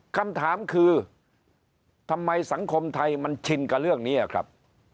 คำถามคือทำไมสังคมไทยมันชินกับเรื่องนี้ครับ